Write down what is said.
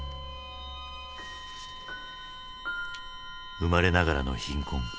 生まれながらの貧困。